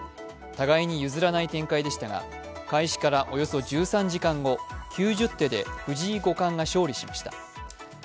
互いに譲らない展開でしたが開始からおよそ１３時間後、９０手で藤井五冠が勝利しました。